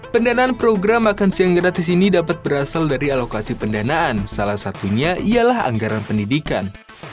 pendanaan program makan siang gratis ini dapat berasal dari alokasi pendanaan salah satunya ialah anggaran pendidikan